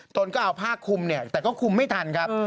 ตนก็เอาผ้าคุมเนี่ยแต่ก็คุมไม่ทันครับ